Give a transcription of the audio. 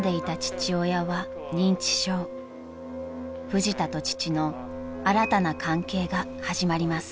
［フジタと父の新たな関係が始まります］